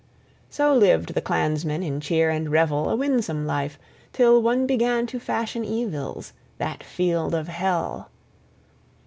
So lived the clansmen in cheer and revel a winsome life, till one began to fashion evils, that field of hell.